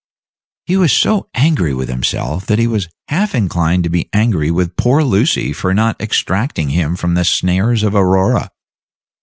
He was so angry with himself that he was half inclined to be angry with poor Lucy for not extracting him from the snares of Aurora.